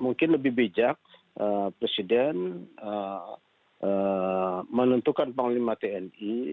mungkin lebih bijak presiden menentukan panglima tni